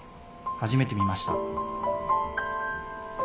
初めて見ました！」。